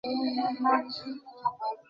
ইন্দ্র ভগবান অসন্তুষ্ট।